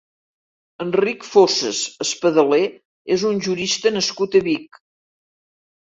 Enric Fossas Espadaler és un jurista nascut a Vic.